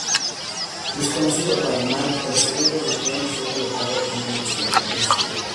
Desconocido para Mark, el cerebro de Trent fue colocado en un extraterrestre.